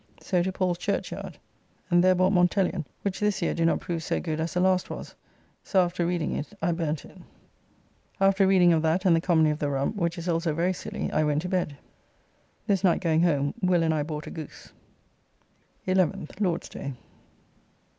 So to Paul's Churchyard, and there bought Montelion, which this year do not prove so good as the last was; so after reading it I burnt it. After reading of that and the comedy of the Rump, which is also very silly, I went to bed. This night going home, Will and I bought a goose. 11th (Lord's day).